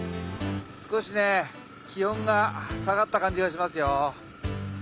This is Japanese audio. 少しね気温が下がった感じがしますよ。